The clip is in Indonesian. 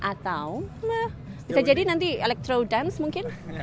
atau bisa jadi nanti electro dance mungkin